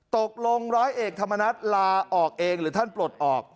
ร้อยเอกธรรมนัฐลาออกเองหรือท่านปลดออก